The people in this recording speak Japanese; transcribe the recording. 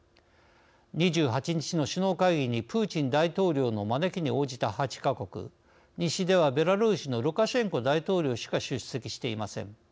２８日の首脳会議にプーチン大統領の招きに応じた８か国西ではベラルーシのルカシェンコ大統領しか出席していません。